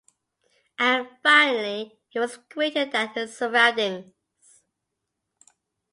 And finally, he was greater than his surroundings.